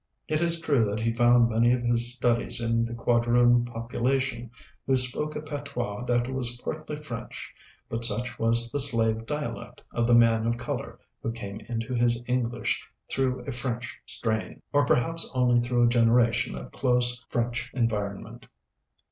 It is true that he found many of his studies in the Quadroon population, who spoke a patois that was partly French; but such was the "slave dialect" of the man of color who came into his English through a French strain, or perhaps only through a generation of close French environment.